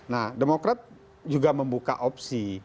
nah demokrat juga membuka opsi